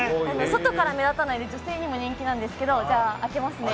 外から目立たないので女性にも人気なんですけど開けますね。